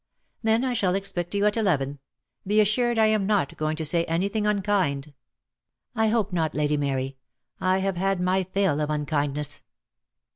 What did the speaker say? "Then I shall expect you at eleven. Be assured I am not going to say anythmg unkind." "I hope not, Lady Mary. I have had my fill of unkindness."